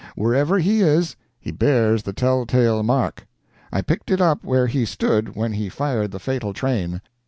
Wherever he is, he bears the telltale mark. I picked it up where he stood when he fired the fatal train."